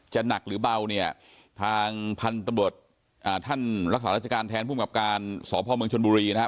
หนักหรือเบาเนี่ยทางพันธบทอ่าท่านรักษาราชการแทนภูมิกับการสพเมืองชนบุรีนะฮะ